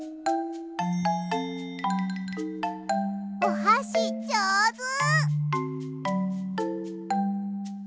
おはしじょうず！